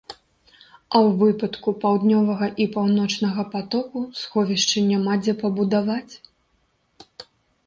А ў выпадку паўднёвага і паўночнага патоку сховішчы няма дзе пабудаваць.